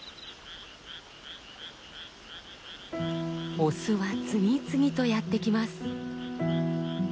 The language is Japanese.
オスは次々とやってきます。